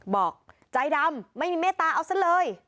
บอกใจดำไม่มีเมตตาเอาซะเลย